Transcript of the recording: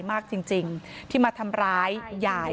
เสียใจมากจริงที่มาทำร้ายหย่าย